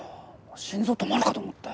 心臓止まるかと思ったよ。